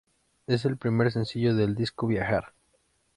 Es el primer sencillo del disco Viajar.